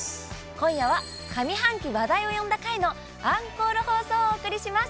今夜は上半期話題を呼んだ回のアンコール放送をお送りします。